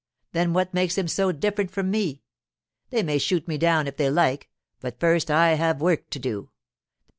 Then what makes him so different from me? They may shoot me down if they like, but first I have work to do.